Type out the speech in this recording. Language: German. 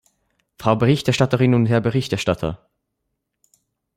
Frau Berichterstatterin und Herr Berichterstatter!